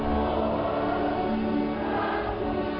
อาเมนอาเมน